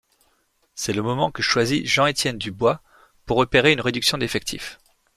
C'est le moment que choisit Jean-Étienne Dubois pour opérer une réduction d'effectif.